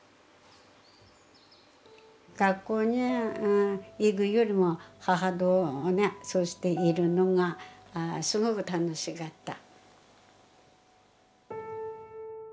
学校に行くよりも母とねそうしているのがすごく楽しかった。